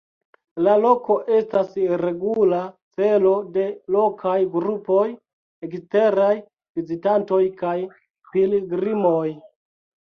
La loko estas regula celo de lokaj grupoj, eksteraj vizitantoj kaj pilgrimoj.